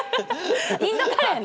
インドカレーね！